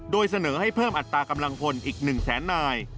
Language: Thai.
โดยเสนอให้เพิ่มอัตรากำลังพลอีก๑แสนนาย